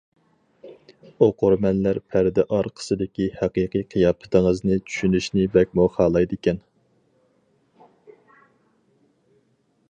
ئوقۇرمەنلەر پەردە ئارقىسىدىكى ھەقىقىي قىياپىتىڭىزنى چۈشىنىشنى بەكمۇ خالايدىكەن.